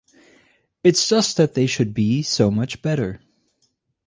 It's just that they should be so much better.